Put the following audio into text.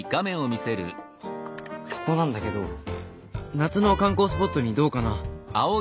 ここなんだけど夏の観光スポットにどうかな？